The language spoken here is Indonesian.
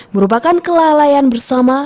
merupakan kelalaian bersama